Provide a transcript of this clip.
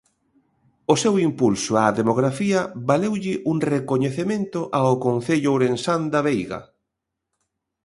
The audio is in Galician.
O seu impulso á demografía valeulle un recoñecemento ao concello ourensán da Veiga.